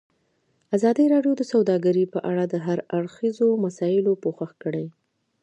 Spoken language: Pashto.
ازادي راډیو د سوداګري په اړه د هر اړخیزو مسایلو پوښښ کړی.